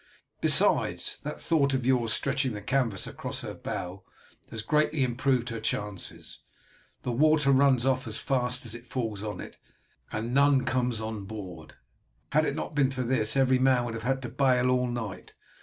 Besides, that thought of yours of stretching the canvas across her bow has greatly improved her chances. The water runs off as fast as it falls on it, and none comes on board. Had it not been for this every man would have had to bail all night.